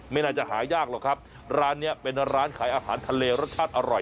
ไม่น่าจะหายากหรอกครับร้านนี้เป็นร้านขายอาหารทะเลรสชาติอร่อย